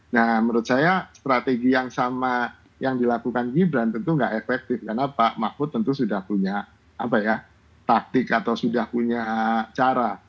nah menurut saya strategi yang sama yang dilakukan gibran tentu nggak efektif karena pak mahfud tentu sudah punya taktik atau sudah punya cara